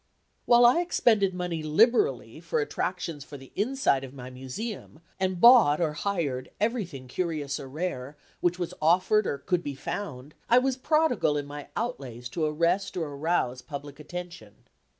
While I expended money liberally for attractions for the inside of my Museum, and bought or hired everything curious or rare which was offered or could be found, I was prodigal in my outlays to arrest or arouse public attention.